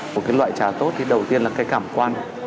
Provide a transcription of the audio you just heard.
một cái loại trà tốt thì đầu tiên là cái cảm quan